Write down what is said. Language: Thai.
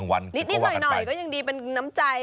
นิดหน่อยก็ยังดีเป็นน้ำใจ